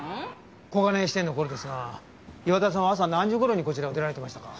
小金井支店の頃ですが岩田さんは朝何時頃にこちらを出られてましたか？